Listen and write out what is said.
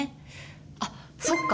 あっそっか。